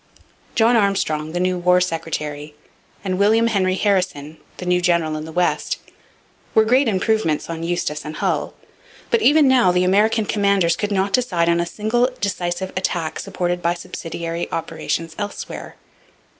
John Armstrong, the new war secretary, and William Henry Harrison, the new general in the West, were great improvements on Eustis and Hull. But, even now, the American commanders could not decide on a single decisive attack supported by subsidiary operations elsewhere.